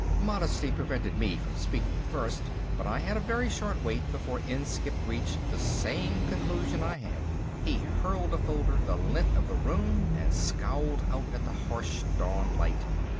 Modesty prevented me from speaking first, but I had a very short wait before Inskipp reached the same conclusion I had. He hurled a folder the length of the room and scowled out at the harsh dawn light.